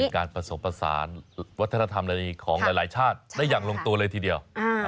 เป็นการประสบประสานวัฒนธรรมในของหลายชาติได้อย่างลงตัวเลยทีเดียว